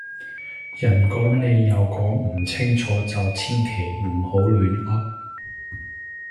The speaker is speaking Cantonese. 人講你又講唔清楚就千祈唔好亂噏